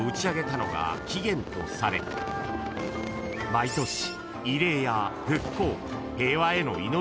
［毎年］